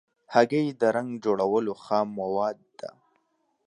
هګۍ د رنګ جوړولو خام مواد ده.